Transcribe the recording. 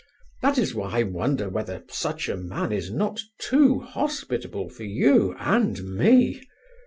That is why I wonder whether such a man is not too hospitable for you and me."